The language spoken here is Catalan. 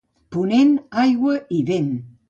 Ponent, aigua i vent.